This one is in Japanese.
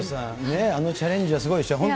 あのチャレンジはすごいでしょ。